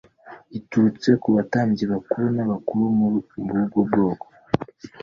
giturutse ku batambyi bakuru n’abakuru b’ubwo bwoko.